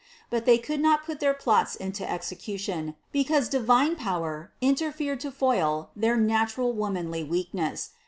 But they could not put their plots into execution, be cause divine power interfered to foil their natural womanly weakness.